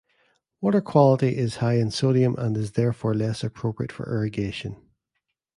Water quality is high in sodium, and is therefore less appropriate for irrigation.